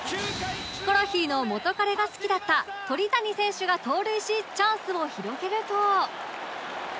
ヒコロヒーの元カレが好きだった鳥谷選手が盗塁しチャンスを広げると